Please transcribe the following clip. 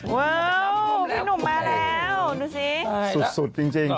ว้าวพี่หนุ่มมาแล้วดูสิสุดจริง